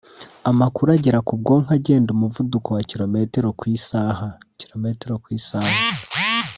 Amakuru agera ku bwonko agenda umuvuduko wa kirometero ku izaha( Km/h)